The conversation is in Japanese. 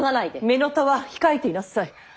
乳母は控えていなさい。